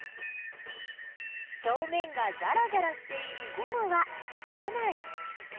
ひょうめんがざらざらしているゴムはつかない。